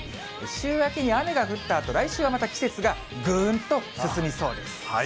週明けに雨が降ったあと、来週はまた季節がぐーんと進みそうです。